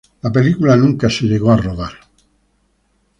Esta película nunca se llegó a rodar.